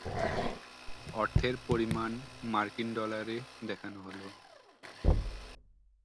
অর্থের পরিমাণ মার্কিন ডলার-এ দেখানো হলো।